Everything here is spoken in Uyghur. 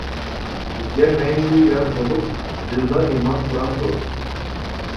بىزگە مەڭگۈ يار بولۇپ دىلدا ئىمان تۇرامدۇ؟ .